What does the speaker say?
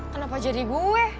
kenapa jadi gue